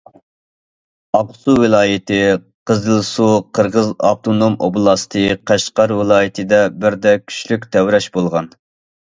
ئاقسۇ ۋىلايىتى، قىزىلسۇ قىرغىز ئاپتونوم ئوبلاستى، قەشقەر ۋىلايىتىدە بىردەك كۈچلۈك تەۋرەش بولغان.